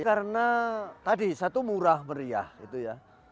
karena tadi satu murah meriah itu ya